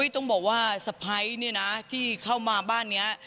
ต้องบอกว่าสะพัยที่เข้ามาบ้านเนี่ย